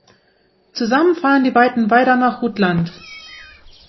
Zusammen fahren die beiden weiter nach Rutland.